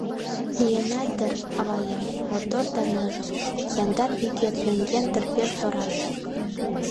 Лийынат дыр, аваем, мотор да ныжыл. Яндар йӱкет йоҥген дыр пеш тораш.